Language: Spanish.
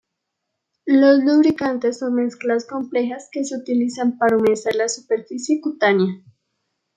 Los lubricantes son mezclas complejas que se utilizan para humedecer la superficie cutánea.